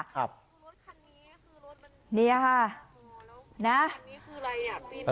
รถคันนี้คือรถมันเนี่ยฮะนะ